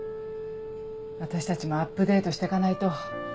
私たちもアップデートしてかないと。